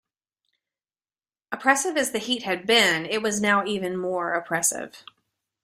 Oppressive as the heat had been, it was now even more oppressive.